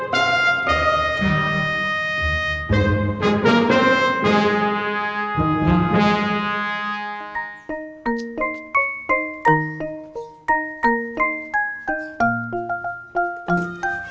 pihak pihak pak wadih